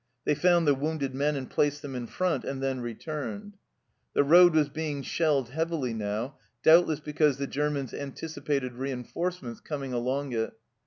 They found the wounded men and placed them in front, and then returned. The road was being shelled heavily now, doubtless because the Germans anticipated reinforcements coming along it.